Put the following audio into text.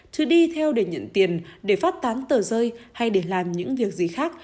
chứ đi theo để nhận tiền để phát tán tờ rơi hay để làm những việc gì khác